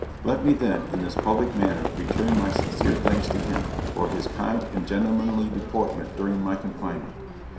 Let me then, in this public manner, return my sincere thanks to him, for his kind and gentlemanly deportment during my confinement.